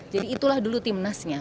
jadi itulah dulu tim nasnya